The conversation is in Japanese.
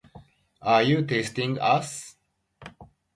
Are you teasing us?